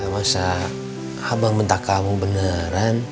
masa abang minta kamu beneran